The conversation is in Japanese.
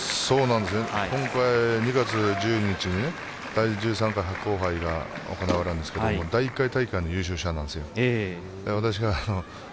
今回、２月１２日に第１３回の白鵬杯が行われるんですが第１回大会の優勝者なんです。